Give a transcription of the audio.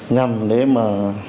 nhằm để mà